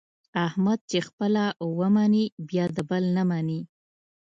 احمد چې خپله و مني بیا د بل نه مني.